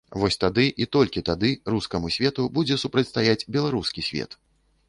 Вось тады, і толькі тады, рускаму свету будзе супрацьстаяць беларускі свет.